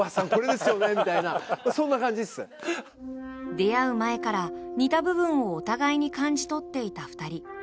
出会う前から似た部分をお互いに感じ取っていた２人。